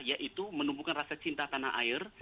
yaitu menumbuhkan rasa cinta tanah air